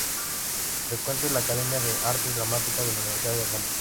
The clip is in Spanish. Frecuentó la academia de artes dramáticas de la universidad de Roma.